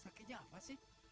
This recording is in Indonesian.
sakitnya apa sih